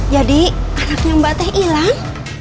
anaknya mbak teh hilang